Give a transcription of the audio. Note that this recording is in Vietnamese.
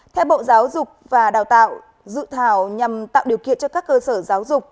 theo bộ giáo dục và đào tạo dự thảo nhằm tạo điều kiện cho các cơ sở giáo dục